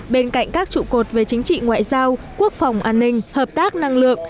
bên cạnh các trụ cột về chính trị ngoại giao quốc phòng an ninh hợp tác năng lượng